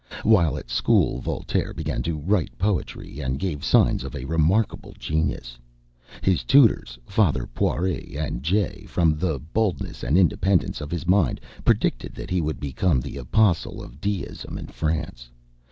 While at school, Voltaire began to write poetry, and gave signs of a remarkable genius. His tutors, Fathers Poree and Jay, from the boldness and independence of his mind predicted that he would become the apostle of Deism in France.